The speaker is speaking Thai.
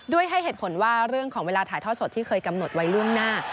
ให้เหตุผลว่าเรื่องของเวลาถ่ายทอดสดที่เคยกำหนดไว้ล่วงหน้า